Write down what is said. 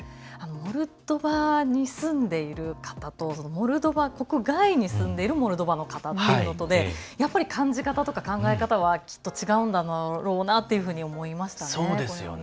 モルドバに住んでいる方とモルドバ国外に住んでいるモルドバの方というのでやっぱり感じ方とか考え方はきっと違うんだろうなと思いました。